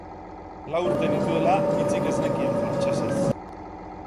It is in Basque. Lau urte nituela, hitzik ez nekien frantsesez.